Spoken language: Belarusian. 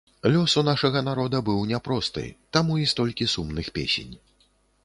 Лёс у нашага народа быў няпросты, таму і столькі сумных песень.